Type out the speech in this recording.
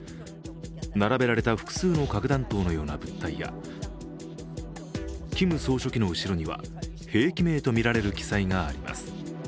並べられた複数の核弾頭のような物体やキム総書記の後ろには、兵器名とみられる記載があります。